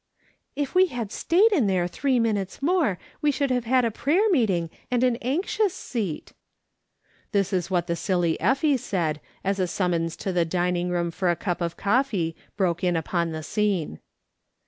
" If we had stayed in there three minutes more we should have had a prayer meeting and an anxious seat." This was what the silly Effie said, as a summons to the dining room for a cup of coffee broke in upon the scene.